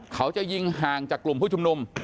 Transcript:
เขาจะยิงห่างจากกลุ่มผู้ชุมนุม